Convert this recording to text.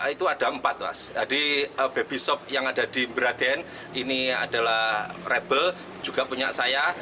itu ada empat mas jadi baby shop yang ada di beragen ini adalah rebel juga punya saya